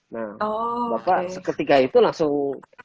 nah bapak ketika itu langsung